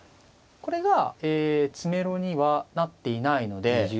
これが詰めろにはなっていないので。